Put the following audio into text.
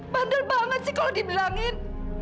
bandel banget sih kalau dibilangin